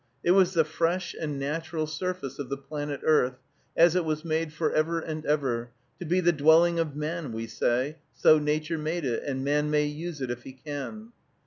It was the fresh and natural surface of the planet Earth, as it was made forever and ever, to be the dwelling of man, we say, so Nature made it, and man may use it if he can.